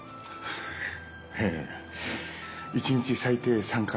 えぇ１日最低３回。